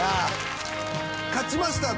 勝ちました！